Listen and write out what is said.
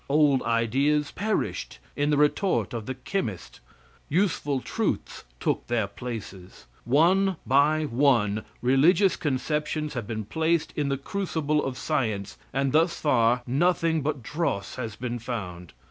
Old ideas perished in the retort of the chemist, useful truths took their places. One by one religious conceptions have been placed in the crucible of science, and thus far, nothing but dross has been found.